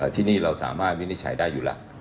ที่นี่เราสามารถวินิจฉัยได้อยู่แล้ว